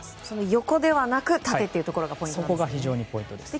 横ではなく縦というところがポイントなんですね。